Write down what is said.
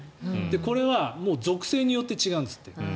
これは属性によって違うんですって。